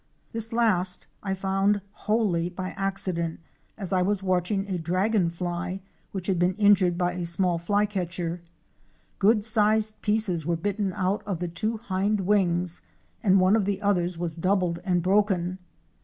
* This last I found wholly by accident as I was watching a dragon fly which had been injured by a small JUNGLE LIFE AT AREMU. 341 Flycatcher. Good sized pieces were bitten out of the two hind wings and one of the others was doubled and broken.